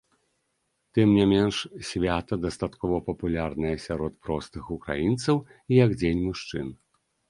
Тым не менш свята дастаткова папулярнае сярод простых украінцаў як дзень мужчын.